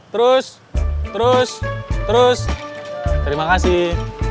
terus terus terima kasih